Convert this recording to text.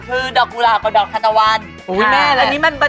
คือดอกกุหลากับดอกขนตะวันอันนี้มันบานดีเนอะ